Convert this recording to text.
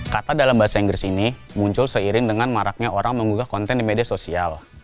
kata dalam bahasa inggris ini muncul seiring dengan maraknya orang menggugah konten di media sosial